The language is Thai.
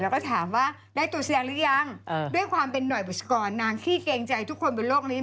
แล้วก็ถามว่าได้ตัวแสดงหรือยังด้วยความเป็นหน่อยบุษกรนางขี้เกรงใจทุกคนบนโลกนี้